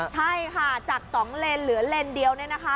ใช่ค่ะจาก๒เลนเหลือเลนเดียวเนี่ยนะคะ